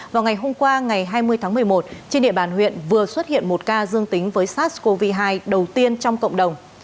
vào ngày hôm qua ngày hai mươi tháng một mươi một trên địa bàn huyện vừa xuất hiện một ca dương tính với sars cov hai đầu tiên trong cộng đồng